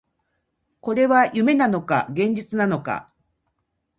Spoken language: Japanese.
これは夢なのか、現実なのか